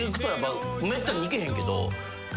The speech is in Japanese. めったに行けへんけど。